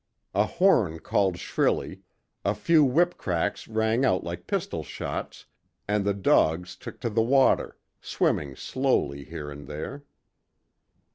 A horn called shrilly, a few whip cracks rang out like pistol shots, and the dogs took to the water, swimming slowly here and there.